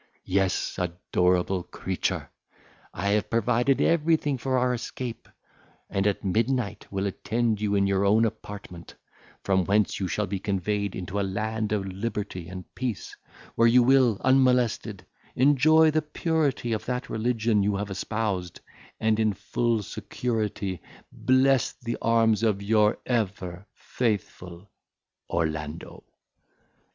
Yes, adorable creature! I have provided everything for our escape, and at midnight will attend you in your own apartment, from whence you shall be conveyed into a land of liberty and peace, where you will, unmolested, enjoy the purity of that religion you have espoused, and in full security bless the arms of your ever faithful, ORLANDO."